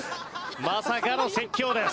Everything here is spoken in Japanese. まさかの説教です。